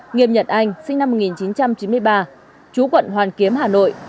nghiêm nhật anh sinh năm một nghìn chín trăm chín mươi ba chú quận hoàn kiếm hà nội